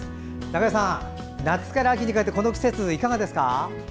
中江さん夏から秋にかけてこの季節、いかがですか？